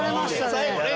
最後ね